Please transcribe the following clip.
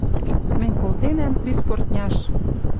Мӹнь колтенӓм триспортняш!